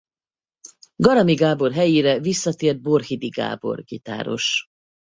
Garami Gábor helyére visszatért Borhidi Gábor gitáros.